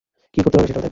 কী করতে হবে, সেটাও দেখ।